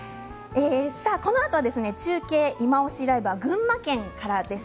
このあとは中継「いまオシ！ＬＩＶＥ」は群馬県からです。